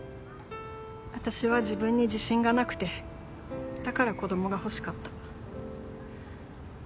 私は自分に自信がなくてだから子供が欲しかった。